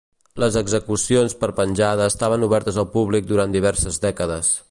Les execucions per penjada estaven obertes al públic durant diverses dècades.